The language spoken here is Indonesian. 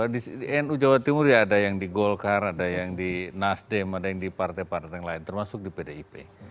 di nu jawa timur ya ada yang di golkar ada yang di nasdem ada yang di partai partai yang lain termasuk di pdip